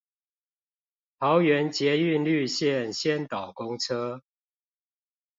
桃園捷運綠線先導公車